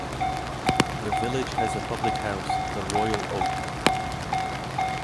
The village has a public house, the Royal Oak.